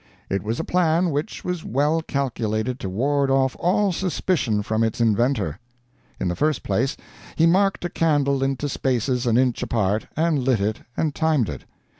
It was a plan which was well calculated to ward off all suspicion from its inventor. In the first place, he marked a candle into spaces an inch apart, and lit it and timed it.